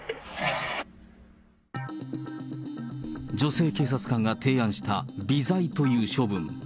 女性警察官が提案した微罪という処分。